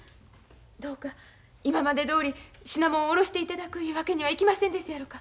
どうか今までどおり品物を卸していただくいうわけにはいきませんですやろか。